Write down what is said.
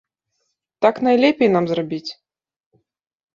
Так найлепей нам зрабіць!